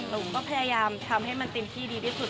ผมก็พยายามทำให้มันเต็มที่ดีที่สุด